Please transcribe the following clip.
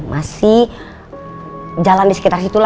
masih jalan di sekitar situlah